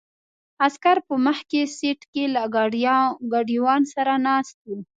عسکر په مخکې سیټ کې له ګاډیوان سره ناست وو.